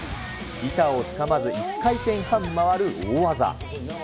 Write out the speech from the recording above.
板をつかまず１回転半回る大技。